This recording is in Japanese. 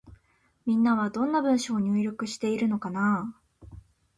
みんなは、どんな文章を入力しているのかなぁ。